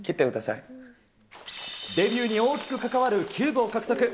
デビューに大きく関わるキューブを獲得。